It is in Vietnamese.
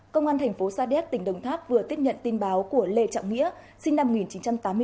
công an thành phố sa đéc tỉnh đồng tháp vừa tiếp nhận tin báo của lê trọng nghĩa sinh năm một nghìn chín trăm tám mươi bốn